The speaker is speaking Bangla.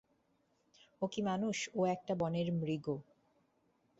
ও কি মানুষ, ও একটা বনের মৃগ।